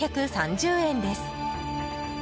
７３０円です。